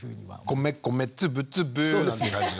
米米つぶつぶなんて感じの。